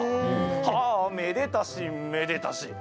はあ、めでたしめでたし。